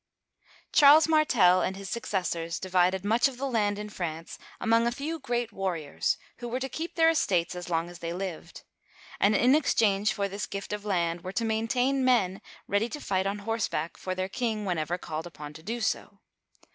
Charles Martel and his successors divided much of the land in France among a few great warriors who were to keep their estates a« long as they lived, and in exchange for this gift of land were to maintain men ready to fight on horseback for their king whenever called upon to do so.